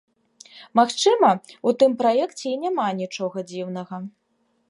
Магчыма, у тым праекце і няма нічога дзіўнага.